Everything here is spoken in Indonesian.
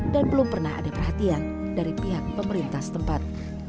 dan belum pernah ada perhatian dari pihak pemerintah setempat